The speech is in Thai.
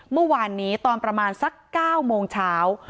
เมื่อวานนี้ตอนประมาณสัก๙โมงเช้า